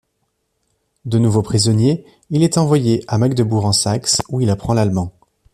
De nouveau prisonnier, il est envoyé à Magdebourg en Saxe où il apprend l’allemand.